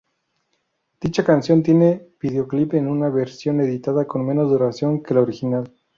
Dicha canción tiene videoclip en una versión editada con menos duración que la original.